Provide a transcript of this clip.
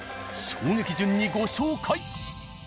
衝撃順にご紹介。